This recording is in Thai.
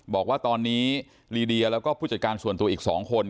บอกว่าตอนนี้ลีเดียแล้วก็ผู้จัดการส่วนตัวอีก๒คน